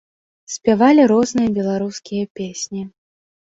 Спявалі розныя беларускія песні.